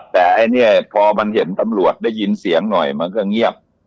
แต่ไอ้เนี่ยพอมันเห็นตำรวจได้ยินเสียงหน่อยมันก็เงียบ